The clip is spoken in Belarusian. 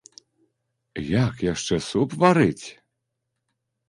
Як яшчэ суп варыць?